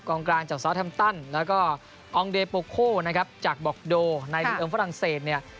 กองกลางจากซอสแฮมตันแล้วก็อองเดโปโค่จากบอกโดในฝรั่งเศส